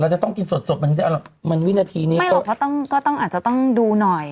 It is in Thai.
เราจะต้องกินสดสดมันจะเอาแหละมันวินาทีนี้ไม่หรอกเขาต้องก็ต้องอาจจะต้องดูหน่อย